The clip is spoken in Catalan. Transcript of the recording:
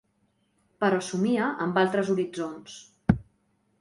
Però somia amb altres horitzons.